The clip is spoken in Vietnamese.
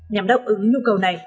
nhằm đọc ứng nhu cầu này